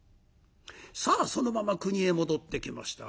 さあそのまま国へ戻ってきました。